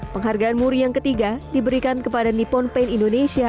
penghargaan muri yang ketiga diberikan kepada ponpaint indonesia